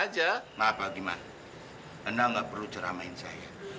sekali sekali lagi ke rumah saya